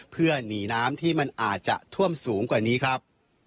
เพื่อหนีน้ำที่มันอาจจะท่วมสูงกว่านี้ครับ